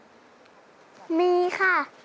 ไอ้มีเห็นไหมพี่เขาบอกมี